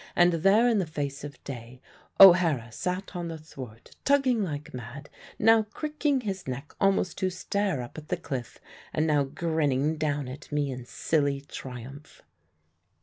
And there in the face of day O'Hara sat on the thwart, tugging like mad, now cricking his neck almost to stare up at the cliff, and now grinning down at me in silly triumph.